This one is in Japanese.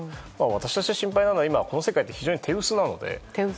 私が心配なのは今、この世界って非常に手薄なので。